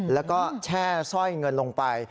แล้วก็แช่สร้อยเงินลงไป